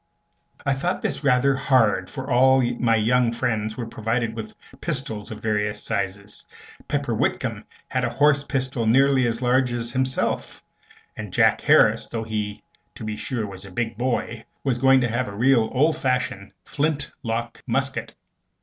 I thought this rather hard, for all my young friends were provided with pistols of various sizes. Pepper Whitcomb had a horse pistol nearly as large as himself, and Jack Harris, though he, to be sure, was a big boy, was going to have a real oldfashioned flintlock musket.